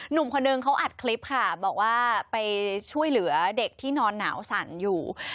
หนุ่มคนนึงเขาอัดคลิปค่ะบอกว่าไปช่วยเหลือเด็กที่นอนหนาวสั่นอยู่